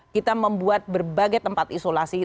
kita membuat berbagai tempat isolasi